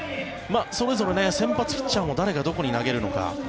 それぞれ先発ピッチャーも誰がどこに投げるのか。